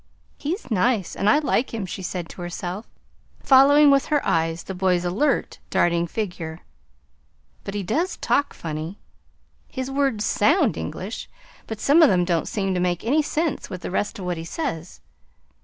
"He's nice, and I like him," she said to herself, following with her eyes the boy's alert, darting figure. "But he does talk funny. His words SOUND English, but some of them don't seem to make any sense with the rest of what he says.